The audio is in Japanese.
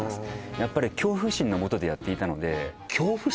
やっぱり恐怖心のもとでやっていたので恐怖心？